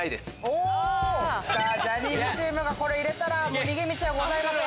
ジャニーズチームがこれ入れたら逃げ道はございません。